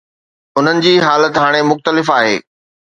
انهن جي حالت هاڻي مختلف آهي.